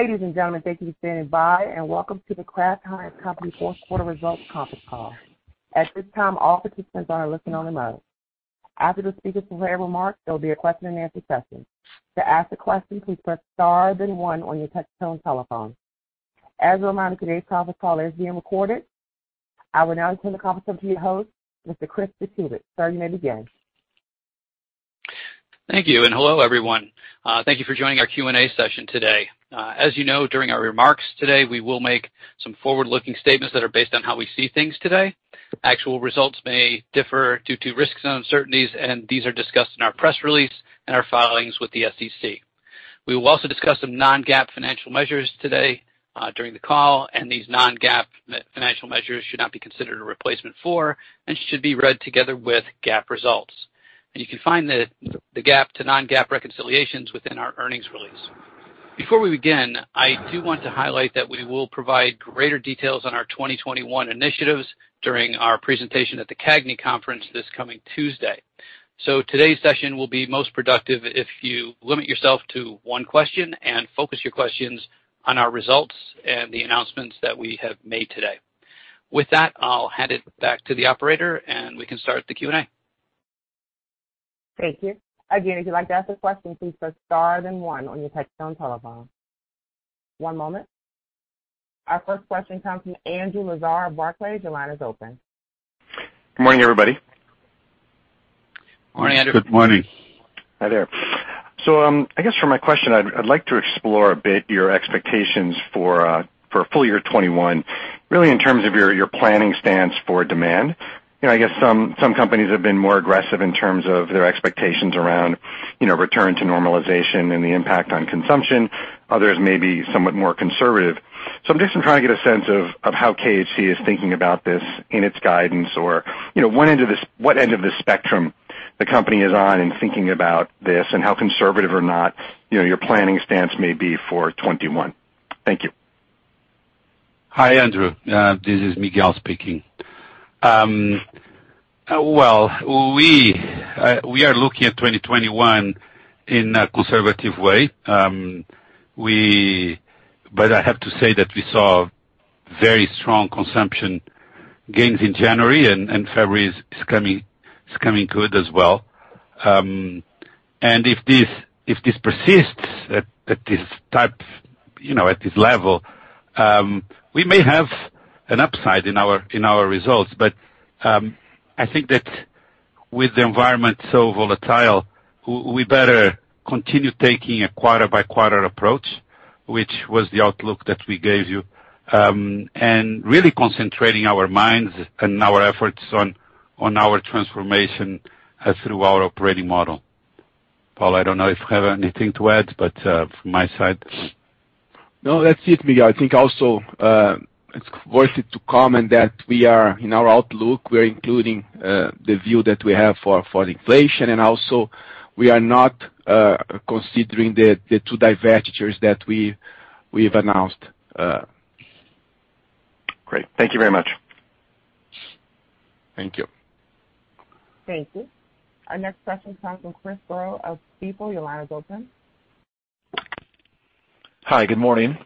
Ladies and gentlemen, thank you for standing by. Welcome to The Kraft Heinz Company fourth quarter results conference call. At this time, all participants are in listen-only mode. After the speakers have made remarks, there'll be a question-and-answer session. To ask a question, please press star, then one on your touchtone telephone. As a reminder, today's conference call is being recorded. I will now turn the conference over to your host, Mr. Chris Jakubik. Sir, you may begin. Thank you, and hello, everyone. Thank you for joining our Q&A session today. As you know, during our remarks today, we will make some forward-looking statements that are based on how we see things today. Actual results may differ due to risks and uncertainties. These are discussed in our press release and our filings with the SEC. We will also discuss some non-GAAP financial measures today during the call. These non-GAAP financial measures should not be considered a replacement for, and should be read together with, GAAP results. You can find the GAAP to non-GAAP reconciliations within our earnings release. Before we begin, I do want to highlight that we will provide greater details on our 2021 initiatives during our presentation at the CAGNY Conference this coming Tuesday. Today's session will be most productive if you limit yourself to one question and focus your questions on our results and the announcements that we have made today. With that, I'll hand it back to the operator, and we can start the Q&A. Thank you. One moment. Our first question comes from Andrew Lazar of Barclays. Your line is open. Good morning, everybody. Morning Andrew. Good morning. Hi there I guess for my question, I'd like to explore a bit your expectations for full year 2021, really in terms of your planning stance for demand. I guess some companies have been more aggressive in terms of their expectations around return to normalization and the impact on consumption. Others may be somewhat more conservative. I'm just trying to get a sense of how KHC is thinking about this in its guidance or, what end of the spectrum the company is on in thinking about this and how conservative or not your planning stance may be for 2021. Thank you. Hi Andrew. This is Miguel speaking. Well, we are looking at 2021 in a conservative way. I have to say that we saw very strong consumption gains in January and February is coming good as well. If this persists at this level, we may have an upside in our results. I think that with the environment so volatile, we better continue taking a quarter-by-quarter approach, which was the outlook that we gave you, and really concentrating our minds and our efforts on our transformation through our operating model. Paulo, I don't know if you have anything to add, but from my side No, that's it, Miguel. I think also, it's worth it to comment that we are in our outlook. We're including the view that we have for inflation, and also we are not considering the two divestitures that we've announced. Great. Thank you very much. Thank you. Thank you. Our next question comes from Chris Growe of Stifel. Your line is open. Hi, good morning.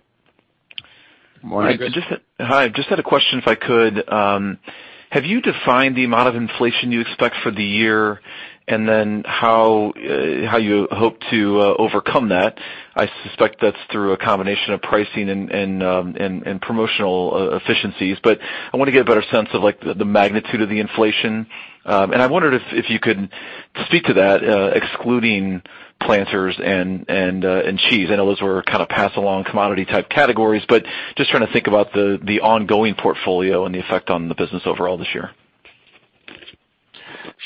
Morning Chris. Hi, I just had a question, if I could. Have you defined the amount of inflation you expect for the year, how you hope to overcome that? I suspect that's through a combination of pricing and promotional efficiencies. I want to get a better sense of the magnitude of the inflation. I wondered if you could speak to that, excluding Planters and cheese. I know those were kind of pass-along commodity type categories, just trying to think about the ongoing portfolio and the effect on the business overall this year.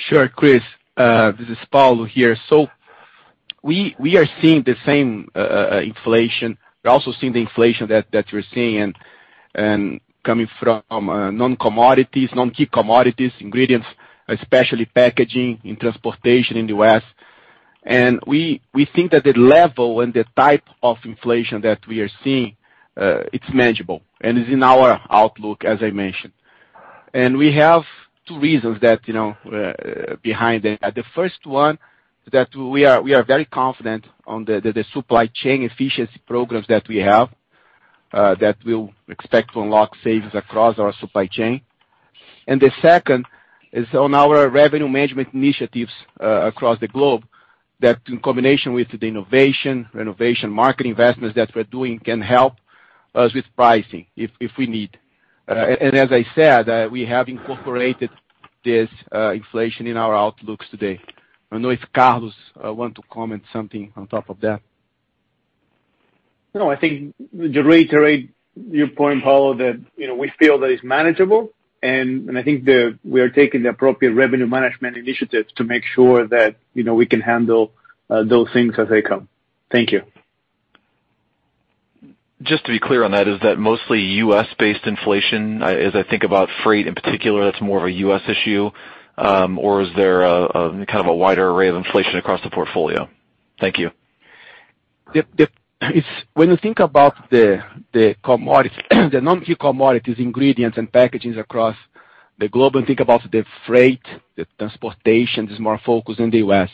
Sure, Chris. This is Paulo here. We are seeing the same inflation. We're also seeing the inflation that you're seeing and coming from non-commodities, non-key commodities, ingredients, especially packaging and transportation in the U.S. We think that the level and the type of inflation that we are seeing, it's manageable and is in our outlook, as I mentioned. We have two reasons behind that. The first one, that we are very confident on the supply chain efficiency programs that we have, that we'll expect to unlock savings across our supply chain. The second is on our revenue management initiatives across the globe, that in combination with the innovation, renovation, market investments that we're doing can help us with pricing if we need. As I said, we have incorporated this inflation in our outlooks today. I don't know if Carlos want to comment something on top of that. No, I think to reiterate your point, Paulo, that we feel that it's manageable, and I think that we are taking the appropriate revenue management initiatives to make sure that we can handle those things as they come. Thank you. Just to be clear on that, is that mostly U.S.-based inflation? As I think about freight in particular, that's more of a U.S. issue. Is there a kind of a wider array of inflation across the portfolio? Thank you. When you think about the commodities, the non-key commodities, ingredients, and packagings across. The global, think about the freight, the transportation is more focused in the U.S.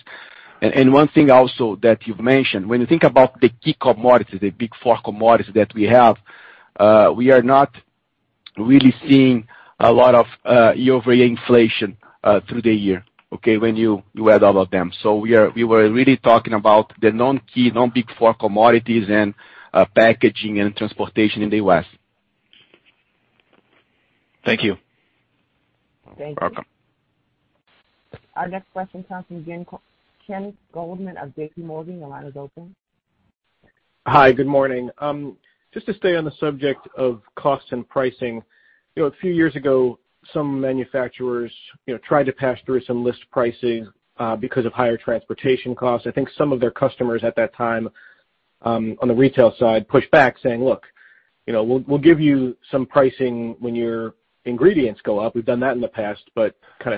One thing also that you've mentioned, when you think about the key commodities, the Big Four commodities that we have, we are not really seeing a lot of year-over-year inflation through the year, okay, when you add all of them. We were really talking about the non-key, non-big four commodities and packaging and transportation in the U.S. Thank you. You're welcome. Thank you. Our next question comes from Ken Goldman of JPMorgan. The line is open. Hi, good morning. Just to stay on the subject of cost and pricing. A few years ago, some manufacturers tried to pass through some list-pricing because of higher transportation costs. I think some of their customers at that time, on the retail side, pushed back saying, "Look, we'll give you some pricing when your ingredients go up. We've done that in the past, but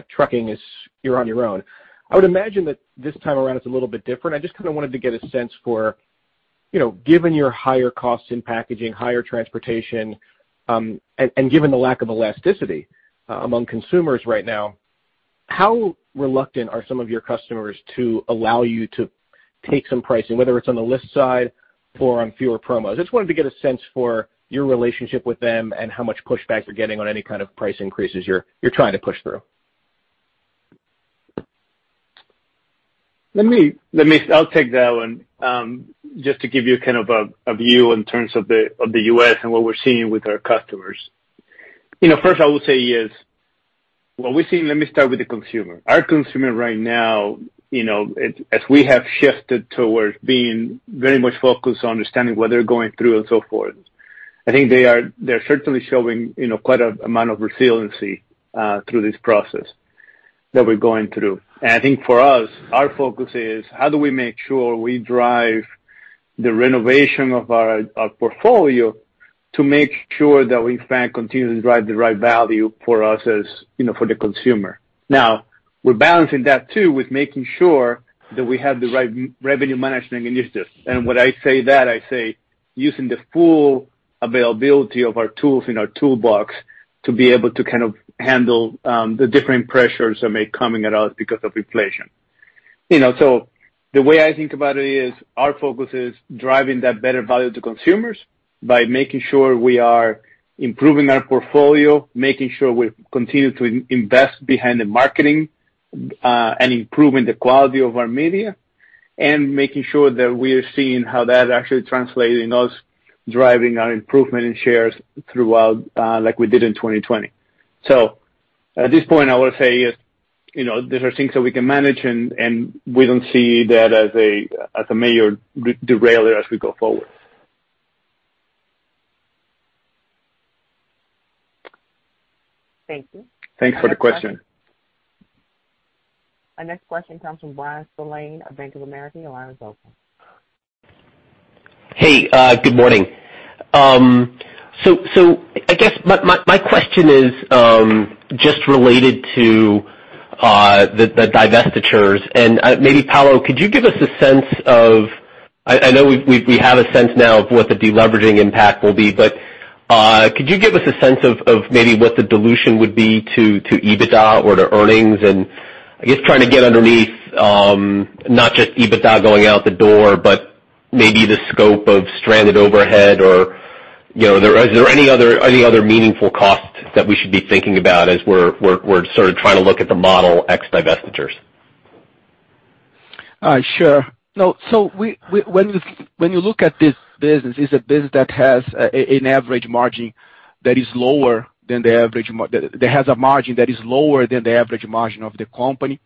trucking is you're on your own." I would imagine that this time around it's a little bit different. I just kind of wanted to get a sense for, given your higher costs in packaging, higher transportation, and given the lack of elasticity among consumers right now, how reluctant are some of your customers to allow you to take some pricing, whether it's on the list side or on fewer promos? I just wanted to get a sense for your relationship with them and how much pushback you're getting on any kind of price increases you're trying to push through. I'll take that one. Just to give you kind of a view in terms of the U.S. and what we're seeing with our customers. First I would say is, what we're seeing, let me start with the consumer. Our consumer right now, as we have shifted towards being very much focused on understanding what they're going through and so forth, I think they're certainly showing quite an amount of resiliency through this process that we're going through. I think for us, our focus is how do we make sure we drive the renovation of our portfolio to make sure that we, in fact, continue to drive the right value for the consumer. Now, we're balancing that, too, with making sure that we have the right revenue management initiatives. When I say that, I say using the full availability of our tools in our toolbox to be able to handle the different pressures that may coming at us because of inflation. The way I think about it is our focus is driving that better value to consumers by making sure we are improving our portfolio, making sure we continue to invest behind the marketing, and improving the quality of our media, and making sure that we are seeing how that actually translating us, driving our improvement in shares throughout, like we did in 2020. At this point, I would say these are things that we can manage, and we don't see that as a major derailer as we go forward. Thank you. Thanks for the question. Our next question comes from Bryan Spillane of Bank of America. Your line is open. Hey, good morning. I guess my question is just related to the divestitures, and maybe, Paulo, could you give us a sense of-- I know we have a sense now of what the de-leveraging impact will be, but could you give us a sense of maybe what the dilution would be to EBITDA or to earnings? I guess trying to get underneath, not just EBITDA going out the door, but maybe the scope of stranded overhead, or is there any other meaningful cost that we should be thinking about as we're sort of trying to look at the model ex divestitures? Sure. When you look at this business, it's a business that has an average margin that is lower than the average that has a margin that is lower than the average margin of the company.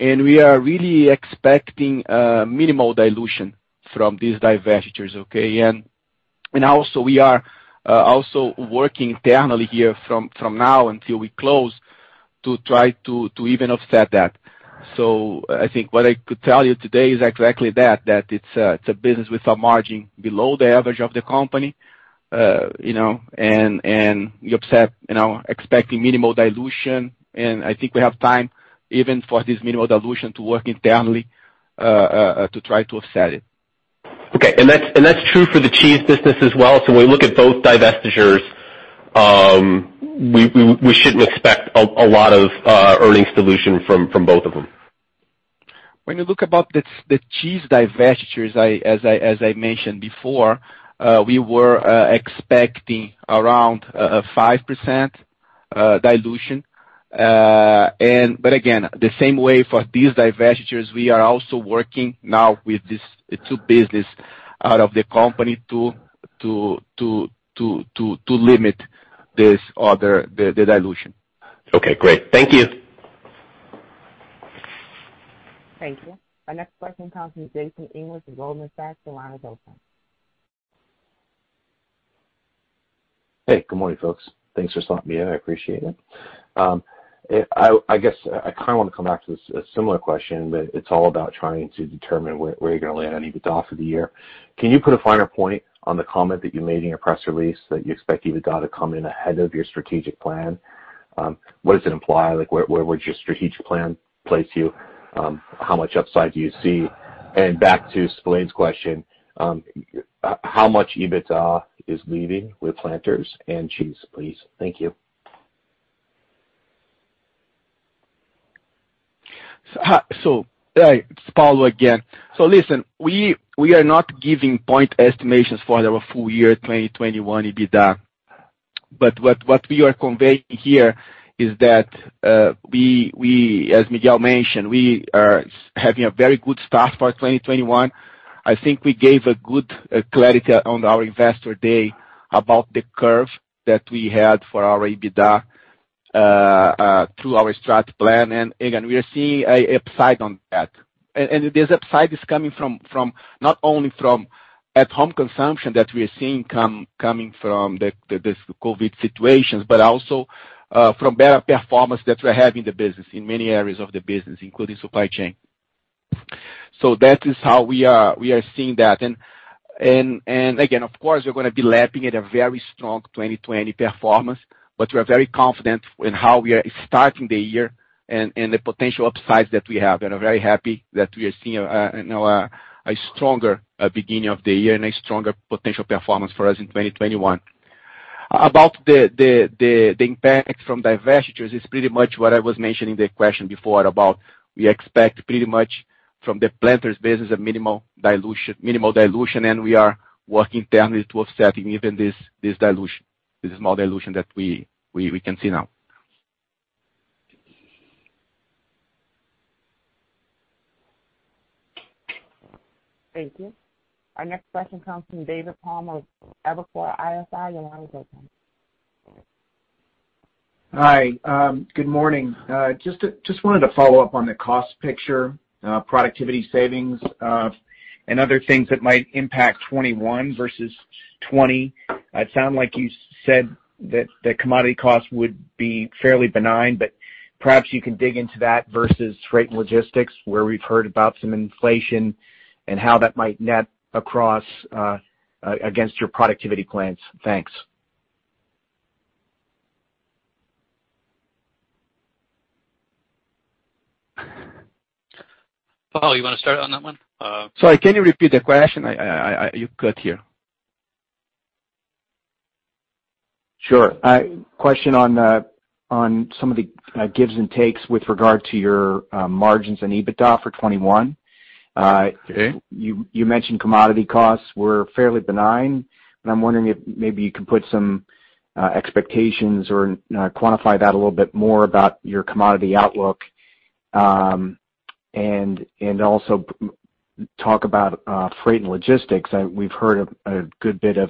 We are really expecting minimal dilution from these divestitures okay? Also, we are also working internally here from now until we close to try to even offset that. I think what I could tell you today is exactly that it's a business with a margin below the average of the company, and we offset, expecting minimal dilution. I think we have time even for this minimal dilution to work internally to try to offset it. Okay. That's true for the cheese business as well? When we look at both divestitures, we shouldn't expect a lot of earnings dilution from both of them. When you look about the cheese divestitures, as I mentioned before, we were expecting around 5% dilution. Again, the same way for these divestitures, we are also working now with these two businesses out of the company to limit the dilution. Okay, great. Thank you. Thank you. Our next question comes from Jason English with Goldman Sachs. Your line is open. Hey, good morning, folks. Thanks for slotting me in. I appreciate it. I guess I kind of want to come back to a similar question, but it's all about trying to determine where you're going to land on EBITDA for the year. Can you put a finer point on the comment that you made in your press release that you expect EBITDA to come in ahead of your strategic plan? What does it imply? Where would your strategic plan place you? How much upside do you see? Back to Spillane's question, how much EBITDA is leaving with Planters and cheese, please? Thank you. It's Paulo again. Listen, we are not giving point estimations for our full year 2021 EBITDA. What we are conveying here is that, as Miguel mentioned, we are having a very good start for 2021. I think we gave a good clarity on our Investor Day about the curve that we had for our EBITDA, through our strategy plan. Again, we are seeing an upside on that. This upside is coming from not only from at-home consumption that we are seeing coming from this COVID situation, but also from better performance that we have in the business, in many areas of the business, including supply chain. That is how we are seeing that. Again, of course, we're going to be lapping at a very strong 2020 performance, but we're very confident in how we are starting the year and the potential upsides that we have, and are very happy that we are seeing a stronger beginning of the year and a stronger potential performance for us in 2021. About the impact from divestitures, it's pretty much what I was mentioning the question before about we expect pretty much from the Planters business, a minimal dilution, and we are working internally to offsetting even this dilution. This is more dilution that we can see now. Thank you. Our next question comes from David Palmer of Evercore ISI. Your line is open. Hi. Good morning. Just wanted to follow up on the cost picture, productivity savings, and other things that might impact 2021 versus 2020. It sounded like you said that the commodity cost would be fairly benign, perhaps you can dig into that versus freight and logistics, where we've heard about some inflation and how that might net across, against your productivity plans. Thanks. Paulo, you want to start on that one? Sorry, can you repeat the question you got here? Sure. Question on some of the gives and takes with regard to your margins and EBITDA for 2021. Okay. You mentioned commodity costs were fairly benign. I'm wondering if maybe you can put some expectations or quantify that a little bit more about your commodity outlook. Also talk about freight and logistics. We've heard a good bit of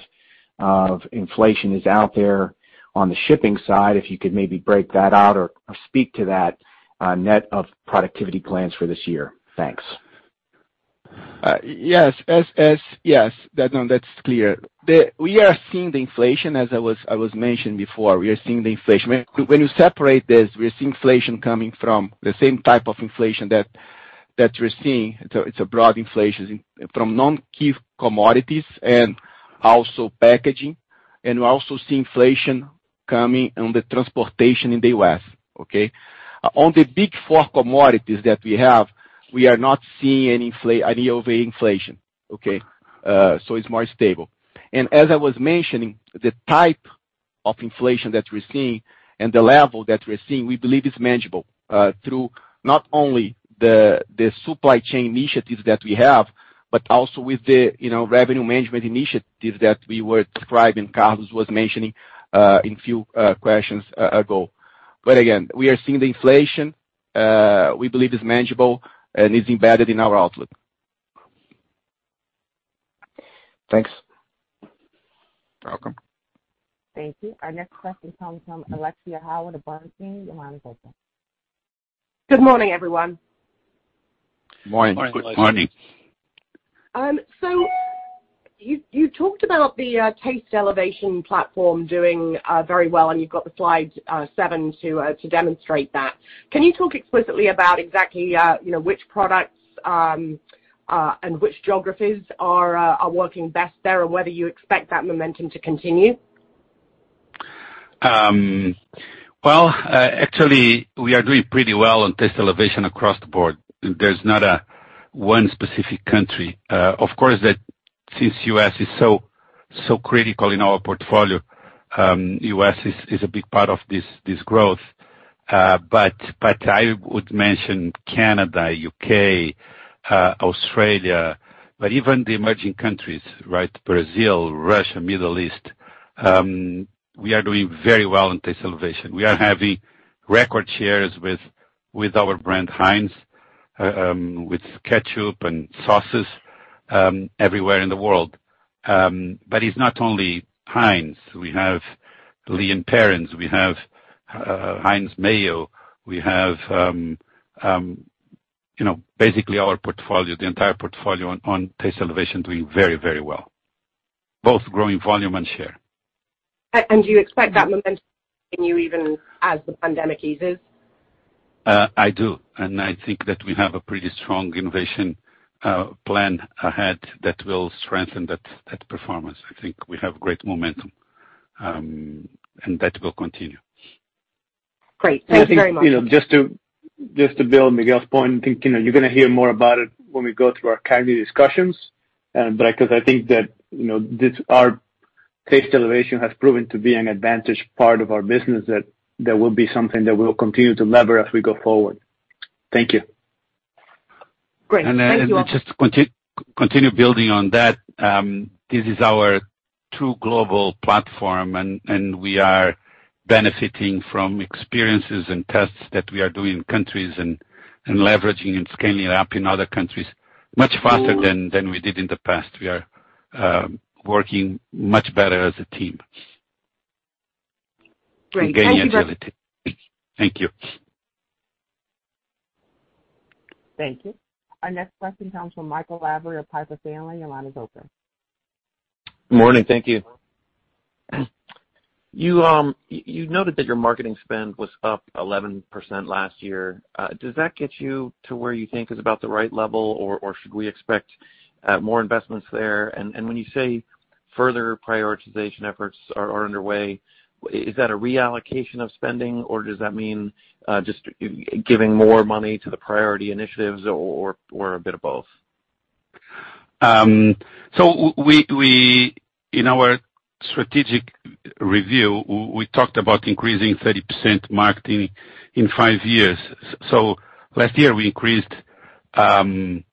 inflation is out there on the shipping side. If you could maybe break that out or speak to that net of productivity plans for this year. Thanks. Yes. That's clear. We are seeing the inflation, as I was mentioning before, we are seeing the inflation. When you separate this, we are seeing inflation coming from the same type of inflation that we're seeing. It's a broad inflation from non-key commodities and also packaging. We're also seeing inflation coming on the transportation in the U.S. Okay. On the Big Four commodities that we have, we are not seeing any overweight inflation. Okay. It's more stable. As I was mentioning, the type of inflation that we're seeing and the level that we're seeing, we believe is manageable, through not only the supply chain initiatives that we have, but also with the revenue management initiatives that we were describing, Carlos was mentioning a few questions ago. Again, we are seeing the inflation, we believe is manageable and is embedded in our outlook. Thanks. Welcome. Thank you. Our next question comes from Alexia Howard of Bernstein. Your line is open. Good morning, everyone. Morning. Good morning. Morning. You talked about the Taste Elevation platform doing very well, and you've got the slide seven to demonstrate that. Can you talk explicitly about exactly which products, and which geographies are working best there, and whether you expect that momentum to continue? Actually, we are doing pretty well on Taste Elevation across the board. There's not one specific country. That since U.S. is so critical in our portfolio, U.S. is a big part of this growth. I would mention Canada, U.K., Australia. Even the emerging countries, Brazil, Russia, Middle East, we are doing very well in Taste Elevation. We are having record shares with our brand Heinz, with ketchup and sauces, everywhere in the world. It's not only Heinz. We have Lea & Perrins, we have Heinz Mayo, we have basically our portfolio, the entire portfolio on Taste Elevation doing very, very well, both growing volume and share. Do you expect that momentum to continue even as the pandemic eases? I do. I think that we have a pretty strong innovation plan ahead that will strengthen that performance. I think we have great momentum, and that will continue. Great. Thank you very much. Just to build Miguel's point, I think you're going to hear more about it when we go through our category discussions. because I think that our Taste Elevation has proven to be an advantage part of our business that will be something that we'll continue to lever as we go forward. Thank you. Great thank you all. Just to continue building on that, this is our true global platform, and we are benefiting from experiences and tests that we are doing in countries and leveraging and scaling up in other countries much faster than we did in the past. We are working much better as a team. Great. Thank you. -to gain agility. Thank you. Thank you. Our next question comes from Michael Lavery of Piper Sandler. Your line is open. Good morning. Thank you. You noted that your marketing spend was up 11% last year. Does that get you to where you think is about the right level or should we expect more investments there? When you say further prioritization efforts are underway, is that a reallocation of spending, or does that mean just giving more money to the priority initiatives or a bit of both? We, in our strategic review, we talked about increasing 30% marketing in five years. Last year, we increased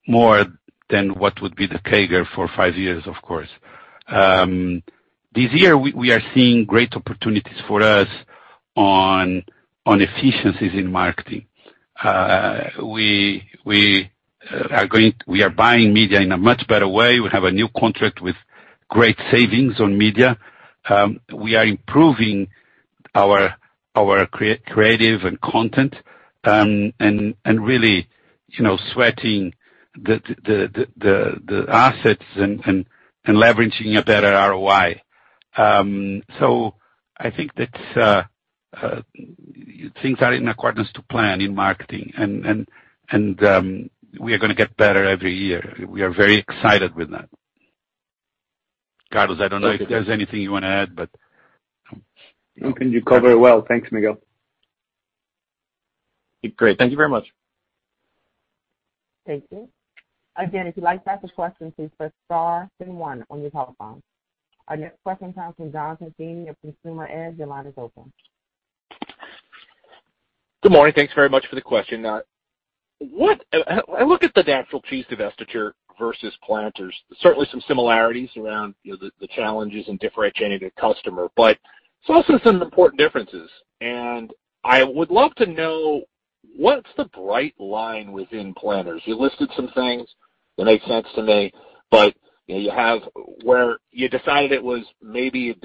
more than what would be the compound annual growth rate for five years, of course. This year, we are seeing great opportunities for us on efficiencies in marketing. We are buying media in a much better way. We have a new contract with great savings on media. We are improving our creative and content, and really sweating the assets and leveraging a better ROI. I think that things are in accordance to plan in marketing, and we are going to get better every year. We are very excited with that. Carlos, I don't know if there's anything you want to add, but No. You covered it well. Thanks, Miguel. Great. Thank you very much. Thank you. Our next question comes from Jonathan Feeney of Consumer Edge. Your line is open. Good morning. Thanks very much for the question. I look at the natural cheese divestiture versus Planters. Certainly some similarities around the challenges in differentiating the customer, there's also some important differences. I would love to know what's the bright line within Planters. You listed some things that make sense to me, but where you decided it was maybe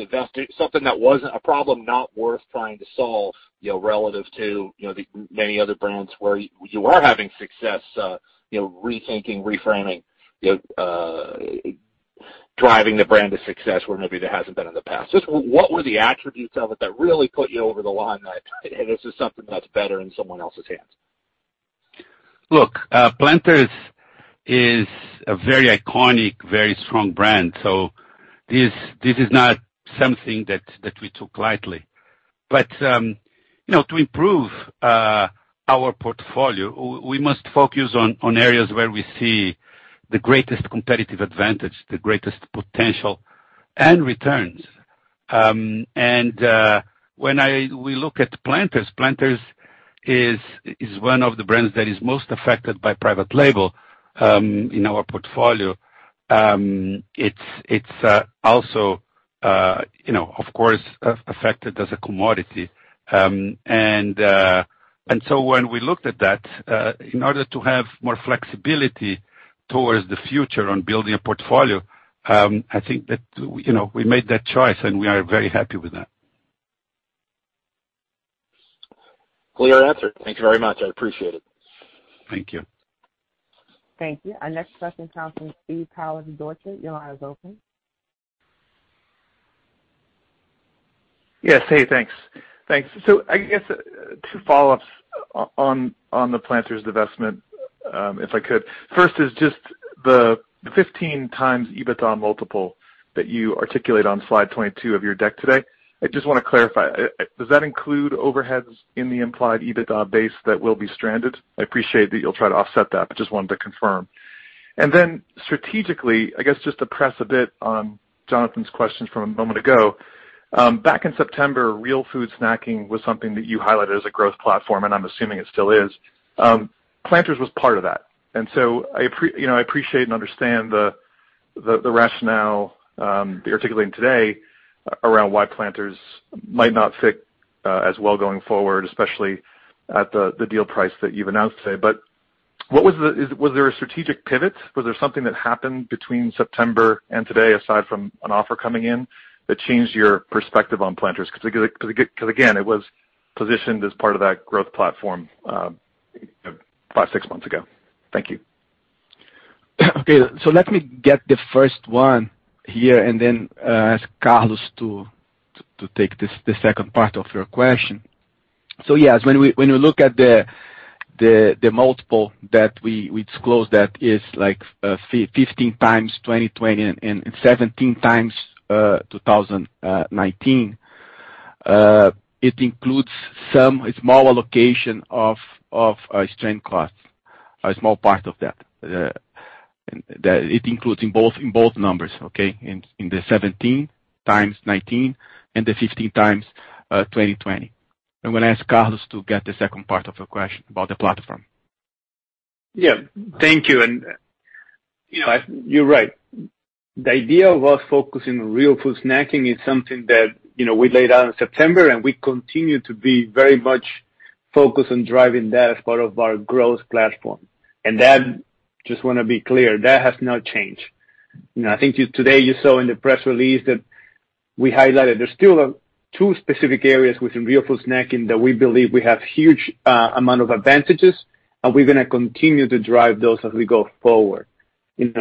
something that wasn't a problem not worth trying to solve, relative to the many other brands where you are having success, rethinking, reframing, driving the brand to success where maybe there hasn't been in the past. Just what were the attributes of it that really put you over the line that this is something that's better in someone else's hands? Look, Planters is a very iconic, very strong brand, so this is not something that we took lightly. To improve our portfolio, we must focus on areas where we see the greatest competitive advantage, the greatest potential, and returns. When we look at Planters is one of the brands that is most affected by private label in our portfolio. It's also, of course, affected as a commodity. When we looked at that, in order to have more flexibility towards the future on building a portfolio, I think that we made that choice, and we are very happy with that. Clear answer. Thank you very much. I appreciate it. Thank you. Thank you. Our next question comes from Steve Powers of Deutsche. Your line is open. Yes. Hey, thanks. I guess two follow-ups on the Planters divestment, if I could. First is just the 15x EBITDA multiple that you articulate on slide 22 of your deck today. I just want to clarify, does that include overheads in the implied EBITDA base that will be stranded? I appreciate that you'll try to offset that, but just wanted to confirm. Then strategically, I guess just to press a bit on Jonathan's questions from a moment ago. Back in September, Real Food Snacking was something that you highlighted as a growth platform, and I'm assuming it still is. Planters was part of that. I appreciate and understand the rationale you're articulating today around why Planters might not fit as well going forward, especially at the deal price that you've announced today. Was there a strategic pivot? Was there something that happened between September and today, aside from an offer coming in, that changed your perspective on Planters? Again, it was positioned as part of that growth platform five, six months ago. Thank you. Okay, let me get the first one here and then ask Carlos to take the second part of your question. Yes, when we look at the multiple that we disclosed, that is 15x 2020 and 17x 2019. It includes some small allocation of our strength costs, a small part of that. It includes in both numbers, okay? In the 17x 2019 and the 15x 2020. I'm going to ask Carlos to get the second part of the question about the platform. Yeah. Thank you. You're right. The idea of us focusing on Real Food Snacking is something that we laid out in September, and we continue to be very much focused on driving that as part of our growth platform. That, just want to be clear, that has not changed. I think today you saw in the press release that we highlighted there's still two specific areas within Real Food Snacking that we believe we have huge amount of advantages, and we're going to continue to drive those as we go forward.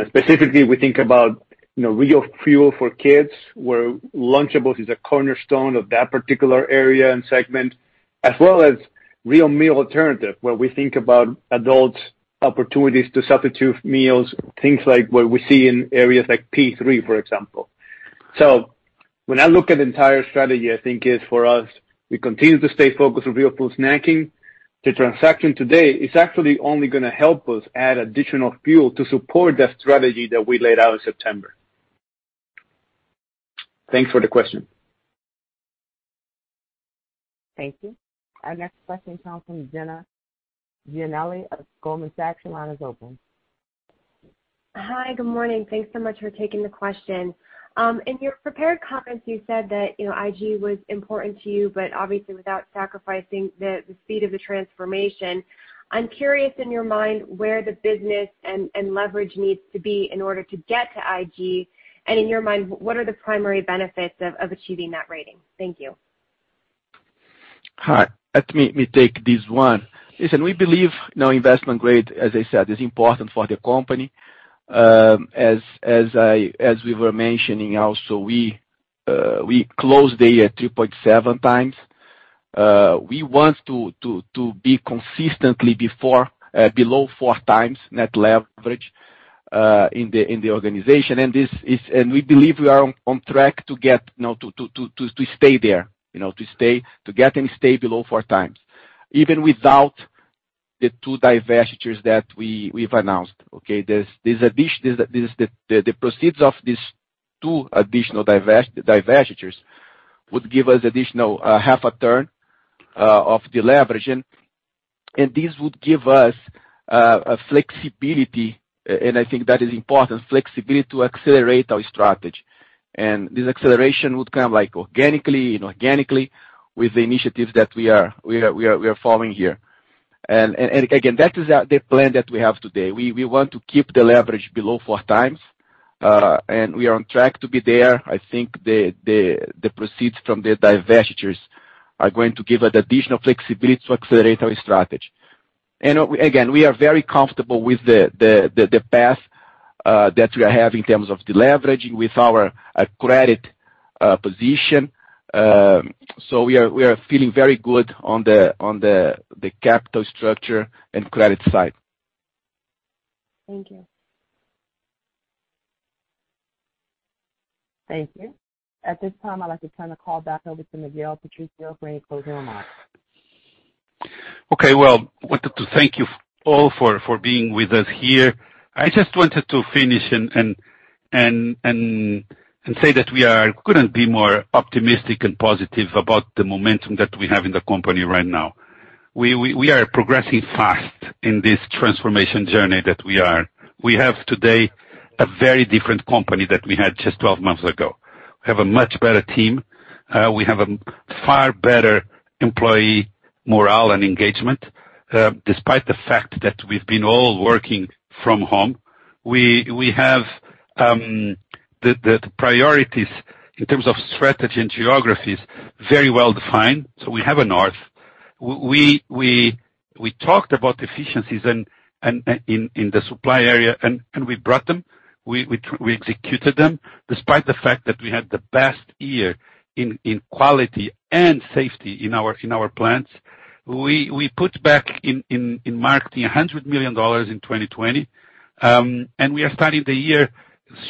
Specifically, we think about Real Fuel for Kids, where Lunchables is a cornerstone of that particular area and segment, as well as real meal alternative, where we think about adult opportunities to substitute meals, things like what we see in areas like P3, for example. When I look at the entire strategy, I think is for us, we continue to stay focused on Real Food Snacking. The transaction today is actually only going to help us add additional fuel to support that strategy that we laid out in September. Thanks for the question. Thank you. Our next question comes from Jenna Giannelli of Goldman Sachs. Your line is open. Hi, good morning. Thanks so much for taking the question. In your prepared comments, you said that IG was important to you, but obviously without sacrificing the speed of the transformation. I'm curious in your mind where the business and leverage needs to be in order to get to IG, and in your mind, what are the primary benefits of achieving that rating? Thank you. Hi. Let me take this one. Listen, we believe investment grade, as I said, is important for the company. As we were mentioning also, we closed the year at 3.7x. We want to be consistently below 4x net leverage, in the organization. We believe we are on track to stay there, to get and stay below 4x, even without the two divestitures that we've announced, okay? The proceeds of these two additional divestitures would give us additional half a turn of deleveraging, and this would give us flexibility. I think that is important, flexibility to accelerate our strategy. This acceleration would come organically with the initiatives that we are following here. Again, that is the plan that we have today. We want to keep the leverage below 4x, and we are on track to be there. I think the proceeds from the divestitures are going to give us additional flexibility to accelerate our strategy. Again, we are very comfortable with the path that we have in terms of deleveraging with our credit position. We are feeling very good on the capital structure and credit side. Thank you. Thank you. At this time, I'd like to turn the call back over to Miguel Patricio for any closing remarks. Well, I wanted to thank you all for being with us here. I just wanted to finish and say that we couldn't be more optimistic and positive about the momentum that we have in the company right now. We are progressing fast in this transformation journey that we are. We have today a very different company that we had just 12 months ago. We have a much better team. We have a far better employee morale and engagement, despite the fact that we've been all working from home. We have the priorities in terms of strategy and geographies very well-defined. We have a north. We talked about efficiencies in the supply area, and we brought them. We executed them, despite the fact that we had the best year in quality and safety in our plants. We put back in marketing $100 million in 2020. We are starting the year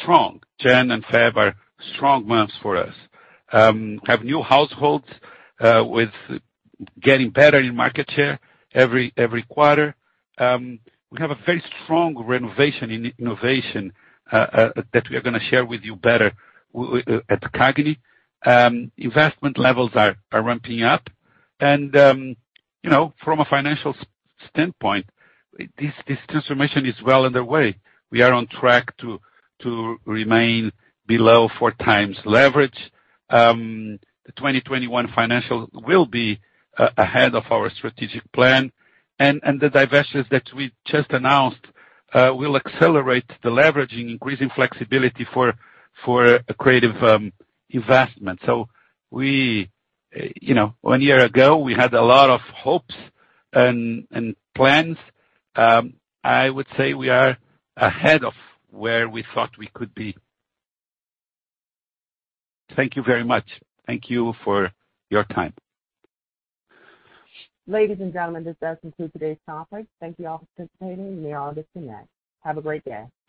strong. Jan and Feb are strong months for us. Have new households with getting better in market share every quarter. We have a very strong renovation in innovation that we are going to share with you better at the CAGNY. Investment levels are ramping up. From a financial standpoint, this transformation is well underway. We are on track to remain below four times leverage. The 2021 financial will be ahead of our strategic plan. The divestitures that we just announced will accelerate deleveraging, increasing flexibility for creative investment. One year ago, we had a lot of hopes and plans. I would say we are ahead of where we thought we could be. Thank you very much. Thank you for your time. Ladies and gentlemen, this does conclude today's conference. Thank you all for participating, and you all disconnect. Have a great day.